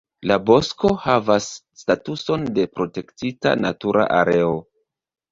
La bosko havas statuson de protektita natura areo.